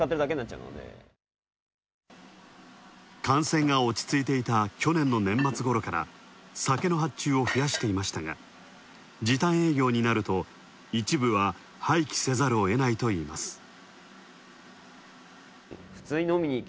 感染が落ち着いていた去年の年末ごろから酒の発注を増やしていましたが、時短営業になると一部は廃棄せざるを得ないといいます。